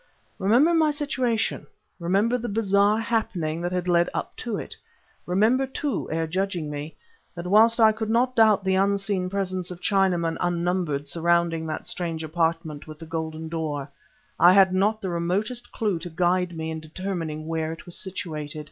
Remember my situation, remember the bizarre happening that had led up to it; remember, too, ere judging me, that whilst I could not doubt the unseen presence of Chinamen unnumbered surrounding that strange apartment with the golden door, I had not the remotest clue to guide me in determining where it was situated.